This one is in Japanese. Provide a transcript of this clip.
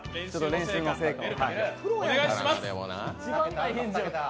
練習の成果を。